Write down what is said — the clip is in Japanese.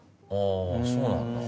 あぁそうなんだ。